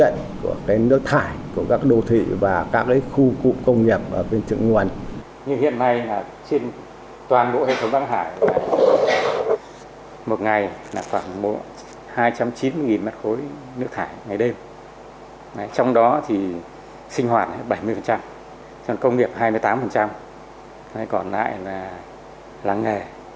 trong đó thì sinh hoạt bảy mươi trong công nghiệp hai mươi tám còn lại làng nghề khoảng hai